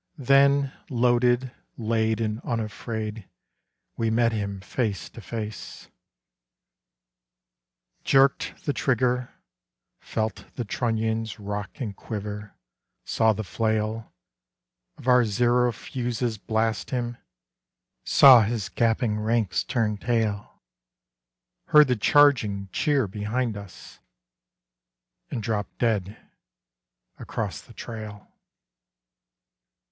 Then loaded, laid, and unafraid, We met him face to face; Jerked the trigger; felt the trunnions Rock and quiver; saw the flail Of our zero fuses blast him; Saw his gapping ranks turn tail; Heard the charging cheer behind us ... And dropped dead across the trail.